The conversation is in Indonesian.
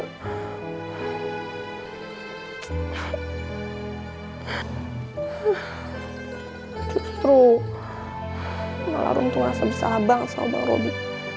cus ruh malah rum tuh rasa besar bang sama bang robi